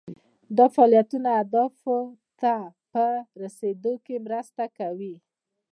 دا فعالیتونه اهدافو ته په رسیدو کې مرسته کوي.